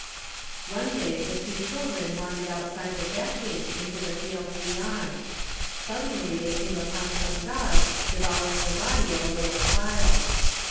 One day the two children wandered outside the backgate into the fields beyond. Suddenly they came upon some dogs devouring the body of a little child.